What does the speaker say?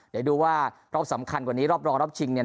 เดี๋ยวดูว่ารอบสำคัญกว่านี้รอบรองรอบชิงเนี่ย